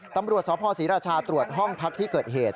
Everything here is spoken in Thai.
ตำรวจสพศรีราชาตรวจห้องพักที่เกิดเหตุ